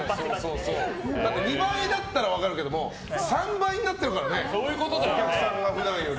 ２倍だったら分かるけど３倍になってるからねお客さんが普段より。